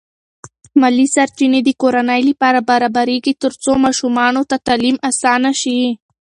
مالی سرچینې د کورنۍ لپاره برابرېږي ترڅو ماشومانو ته تعلیم اسانه شي.